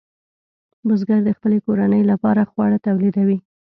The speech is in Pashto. بزګر د خپلې کورنۍ لپاره خواړه تولیدوي.